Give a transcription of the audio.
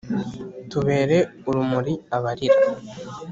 tubere urumuri abarira